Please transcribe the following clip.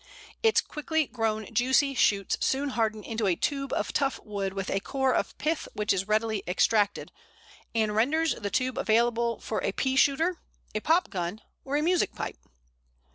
Its quickly grown juicy shoots soon harden into a tube of tough wood with a core of pith which is readily extracted, and renders the tube available for a peashooter, a pop gun, or a music pipe.